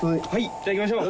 じゃ行きましょう。